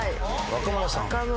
若村さん。